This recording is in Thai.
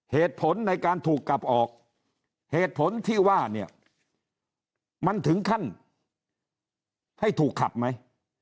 เหตุผลในการถูกกลับออกเหตุผลที่ว่าเนี่ยมันถึงขั้นให้ถูกขับไหม